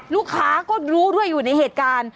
ลูกค้าก็รู้ด้วยอยู่ในเหตุการณ์